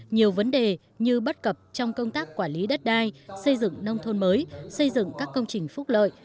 nhiều vấn đề như bất cập trong công tác quản lý đất đai xây dựng nông thôn mới xây dựng các công trình phúc lợi